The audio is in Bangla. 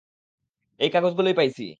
এই কাগজগুলোই পাইছি।